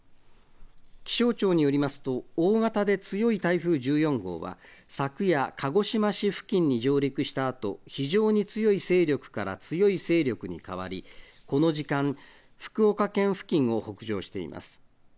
気象庁によりますと、大型で強い台風１４号は、昨夜、鹿児島市付近に上陸したあと、非常に強い勢力から強い勢力に変わり、この時間、福岡県付近を北上しています。